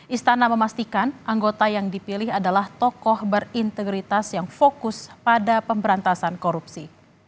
istana memastikan anggota yang dipilih adalah tokoh berintegritas yang fokus pada pemberantasan korupsi